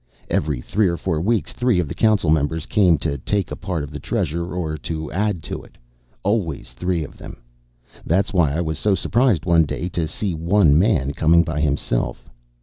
Every three or four weeks, three of the council members came to take a part of the Treasure, or to add to it. Always three of them. That's why I was so surprised one day, to see one man coming by himself.